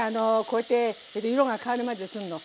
こうやって色が変わるまでするの。